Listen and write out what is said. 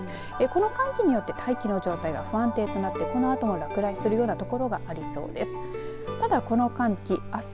この寒気によって大気の状態が不安定となってこのあとも落雷するよう所がありそうです。